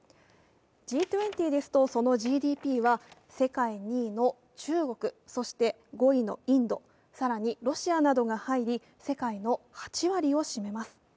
Ｇ２０ですと、そのＧＤＰは世界２位の中国、そして５位のインド、更にロシアなどが入り、世界の８割を占めます。